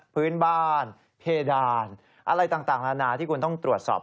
พื้นบ้านเพดานอะไรต่างนานาที่คุณต้องตรวจสอบ